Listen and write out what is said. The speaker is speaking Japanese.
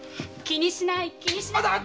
気にしない気にしない。